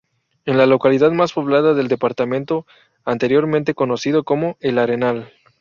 Es la localidad más poblada del departamento, anteriormente conocido como "El Arenal".